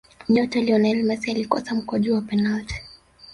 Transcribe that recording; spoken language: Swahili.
nyota lionel messi alikosa mkwaju wa penati